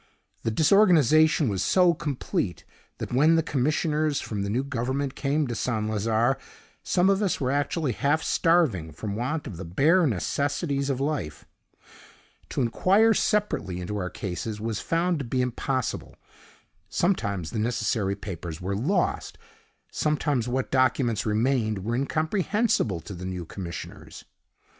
The disorganization was so complete, that when the commissioners from the new Government came to St. Lazare, some of us were actually half starving from want of the bare necessities of life. To inquire separately into our cases was found to be impossible. Sometimes the necessary papers were lost; sometimes what documents remained were incomprehensible to the new commissioners.